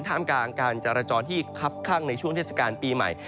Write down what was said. ถ้ามการการจารจรที่คับคั่งในช่วงเทศกาลปีใหม่